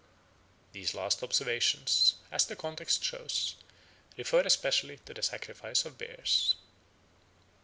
These last observations, as the context shows, refer especially to the sacrifice of bears.